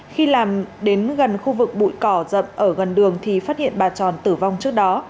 khi làm đến gần khu vực bụi cỏ dậm ở gần đường thì phát hiện bà tròn tử vong trước đó